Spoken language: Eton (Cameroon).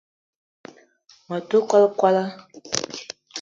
Me te kwal kwala